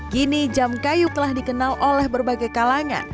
gini jam kayu telah dikenal oleh berbagai kalanya